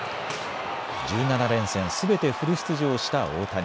１７連戦すべてフル出場した大谷。